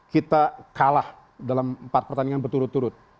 kita kalah dalam empat pertandingan berturut turut